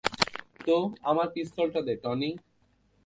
তো, আমায় পিস্তলটা দে, টনি।